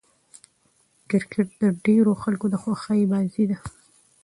کرکټ د ډېرو خلکو د خوښي بازي ده.